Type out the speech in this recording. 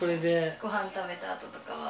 ごはん食べたあととかは。